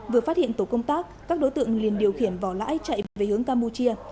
vừa phát hiện tổ công tác các đối tượng liền điều khiển vỏ lãi chạy về hướng campuchia